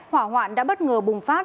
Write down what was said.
hỏa hoạn đã bất ngờ bùng phát